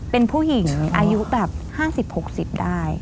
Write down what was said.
เป็นผู้หญิงอายุแบบ๕๐๖๐ได้